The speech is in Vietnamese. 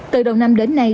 từ đầu năm đến nay